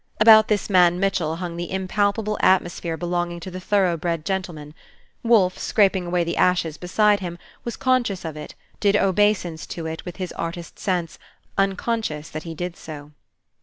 About this man Mitchell hung the impalpable atmosphere belonging to the thoroughbred gentleman, Wolfe, scraping away the ashes beside him, was conscious of it, did obeisance to it with his artist sense, unconscious that he did so.